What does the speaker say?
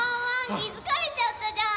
きづかれちゃったじゃん！